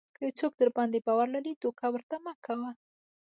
که یو څوک درباندې باور لري دوکه ورته مه کوئ.